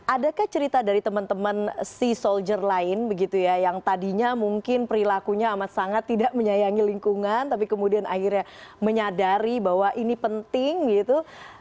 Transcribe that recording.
adakah cerita dari teman teman sea soldier lain begitu ya yang tadinya mungkin perilakunya amat sangat tidak menyayangi lingkungan tapi kemudian akhirnya menyadari bahwa ini penting gitu